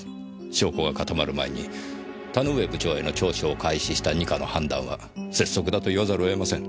証拠が固まる前に田ノ上部長への聴取を開始した二課の判断は拙速だと言わざるをえません。